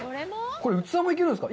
これ、器もいけるんですか？